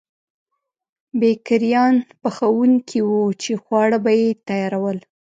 بېکریان پخوونکي وو چې خواړه به یې تیارول.